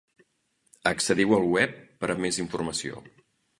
Accediu al web per a més informació.